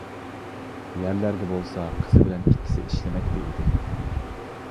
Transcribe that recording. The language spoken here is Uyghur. يەرلەرگە بولسا قىزى بىلەن ئىككىسى ئىشلىمەكتە ئىدى.